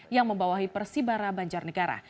yang membawahi persibara banjar negara